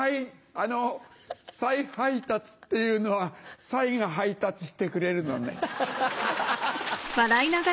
あの再配達っていうのはサイが配達してくれるのね。